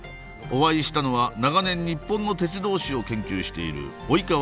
お会いしたのは長年日本の鉄道史を研究している老川